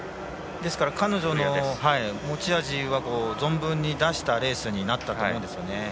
ですから彼女の持ち味は存分に出したレースになったと思うんですね。